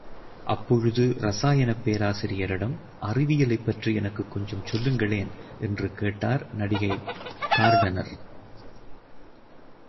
அப்பொழுது ரசாயனப் பேராசிரியரிடம், அறிவியலைப் பற்றி எனக்குக் கொஞ்சம் சொல்லுங்களேன் என்று கேட்டார் நடிகை கார்டனர்.